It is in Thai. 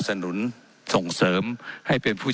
ว่าการกระทรวงบาทไทยนะครับ